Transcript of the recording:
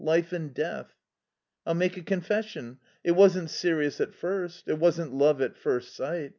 Life and death.... I'll make a confession. It wasn't serious at first. It wasn't love at first sight.